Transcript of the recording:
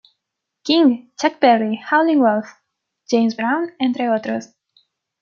King, Chuck Berry, Howlin' Wolf, James Brown, entre otros.